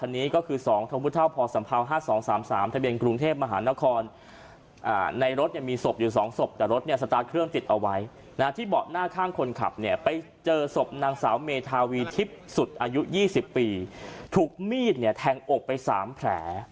เมทาวีทิพย์สุดอายุยี่สิบปีถูกมีดเนี้ยแทงอกไปสามแผล